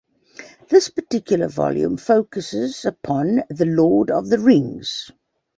This particular volume focuses upon "The Lord of the Rings".